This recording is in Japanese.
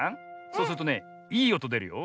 そうするとねいいおとでるよ。